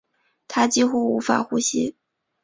她几乎无法呼吸